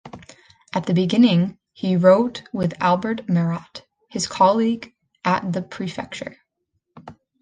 At the beginning, he wrote with Albert Mérat, his colleague at the prefecture.